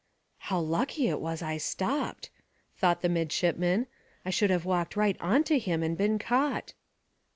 "How lucky it was I stopped!" thought the midshipman. "I should have walked right on to him and been caught."